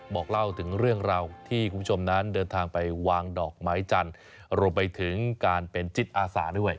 บอกเล่าถึงเรื่องราวที่คุณผู้ชมนั้นเดินทางไปวางดอกไม้จันทร์รวมไปถึงการเป็นจิตอาสาด้วย